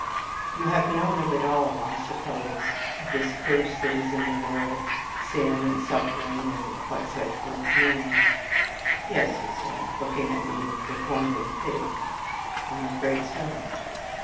"You have known of it all, I suppose; of this curse that is in the world, sin and suffering, and what such words mean." "Yes," he said, looking at me with wondering pity, "I am afraid so."